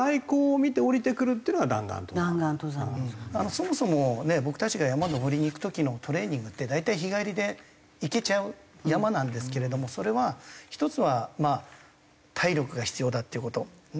そもそもね僕たちが山登りに行く時のトレーニングって大体日帰りで行けちゃう山なんですけれどもそれは１つは体力が必要だっていう事。